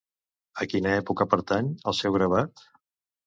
A quina època pertany el seu gravat?